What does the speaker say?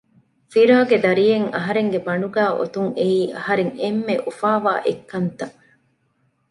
ފިރާގެ ދަރިއެއް އަހަރެންގެ ބަނޑުގައި އޮތުން އެއީ އަހަރެން އެންމެ އުފާވާ އެއްކަންތައް